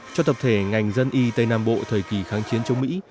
cho tập thể ngành dân y tây nam bộ thời kỳ kháng chiến chống mỹ